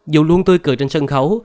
dù luôn tươi cười trên sân khấu